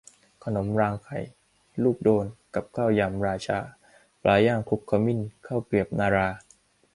ขนมรางไข่ ลูกโดน กับ ข้าวยำ 'ราชา' ปลาย่างคลุกขมิ้น ข้าวเกรียบนรา